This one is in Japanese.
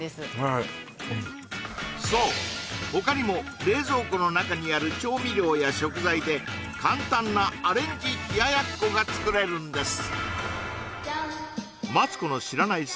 はいそう他にも冷蔵庫の中にある調味料や食材で簡単なアレンジ冷奴が作れるんです